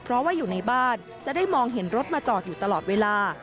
เพราะว่าอยู่ในบ้านจะได้มองเห็นรถมาจอดอยู่ตลอดเวลา